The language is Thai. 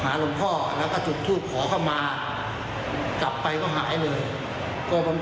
หลวงพ่อแล้วก็จุดทูปขอเข้ามากลับไปก็หายเลยก็บัง